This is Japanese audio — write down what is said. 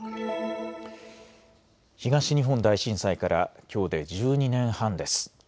東日本大震災からきょうで１２年半です。